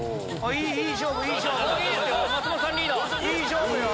いい勝負よ。